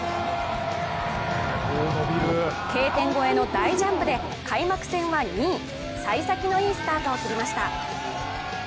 Ｋ点越えの大ジャンプで開幕戦は２位幸先のいいスタートを切りました。